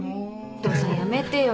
お父さんやめてよ。